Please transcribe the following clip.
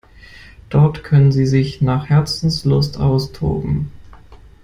Dort können sie sich nach Herzenslust austoben.